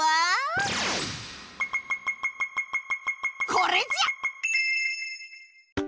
これじゃ！